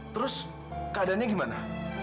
terus keadaannya gimana